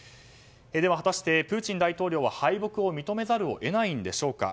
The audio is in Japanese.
果たしてプーチン大統領は敗北を認めざるを得ないのでしょうか。